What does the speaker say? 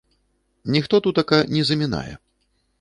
Ніхто тутака не замінае.